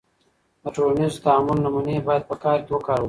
د ټولنیز تعامل نمونې باید په کار کې وکارول سي.